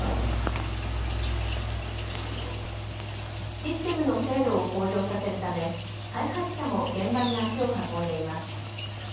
システムの精度を向上させるため開発者も現場に足を運んでいます。